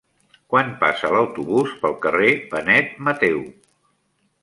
Quan passa l'autobús pel carrer Benet Mateu?